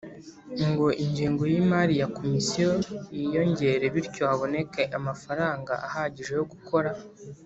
ngo ingengo y imari ya Komisiyo yiyongere bityo haboneke amafaranga ahagije yo gukora